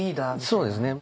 そうですね。